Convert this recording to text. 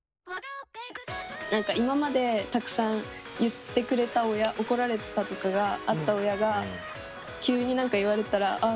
何か今までたくさん言ってくれた親怒られたとかがあった親が急に何か言われたらああ